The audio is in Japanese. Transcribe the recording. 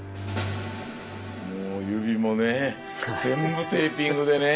もう指もね全部テーピングでね。